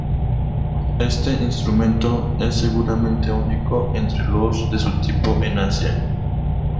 Este instrumento es seguramente único entre los de su tipo en Asia.